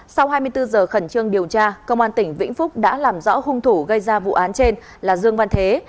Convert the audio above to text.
sau hai mươi bốn giờ khẩn trương điều tra công an tỉnh vĩnh phúc đã làm rõ hung thủ gây ra vụ án trên là dương văn thế